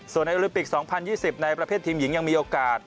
ส่วนในอุบัมิกสิบหน้าประเภทหนึ่งที่ยังมีโอกาส